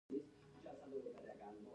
فرمان يو ځيرک هلک دی